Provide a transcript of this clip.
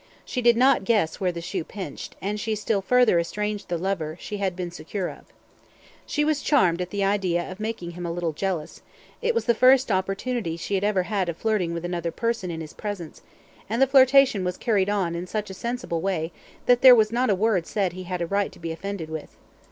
She did not guess where the shoe pinched, and she still further estranged the lover she had been secure of. She was charmed at the idea of making him a little jealous; it was the first opportunity she had ever had of flirting with another person in his presence, and the flirtation was carried on in such a sensible way that there was not a word said he had a right to be offended with.